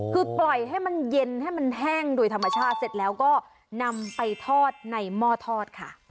คือปล่อยให้มันเย็นให้มันแห้งโดยธรรมชาติเสร็จแล้วก็นำไปทอดในหม้อทอดค่ะ